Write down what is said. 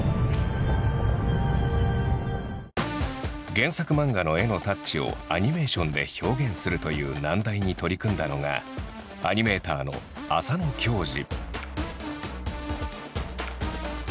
原作漫画の絵のタッチをアニメーションで表現するという難題に取り組んだのがアニメーターの浅野恭司。